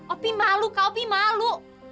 opi malu kak opi malu